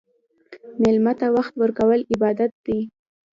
مېلمه ته وخت ورکول عبادت دی.